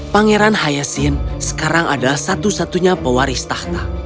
pangeran hayasin sekarang adalah satu satunya pewaris tahta